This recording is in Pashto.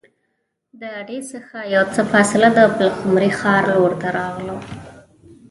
د اډې څخه یو څه فاصله د پلخمري ښار لور ته راغلو.